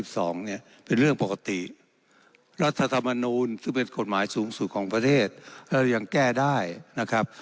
ซึ่งเป็นกฎหมายสูงสุดของประเทศแล้วยังแก้ได้นะครับ